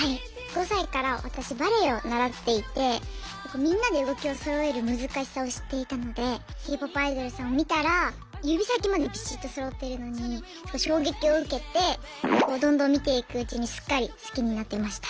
５歳から私バレエを習っていてみんなで動きをそろえる難しさを知っていたのでＫ−ＰＯＰアイドルさんを見たら指先までびしっとそろっているのに衝撃を受けてどんどん見ていくうちにすっかり好きになってました。